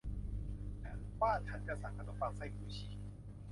ฉันว่าฉันจะสั่งขนมปังไส้หมูฉีก